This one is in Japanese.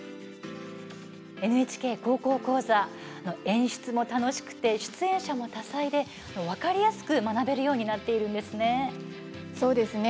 「ＮＨＫ高校講座」演出も楽しくて出演者も多彩で分かりやすく学べるようになっているんですね。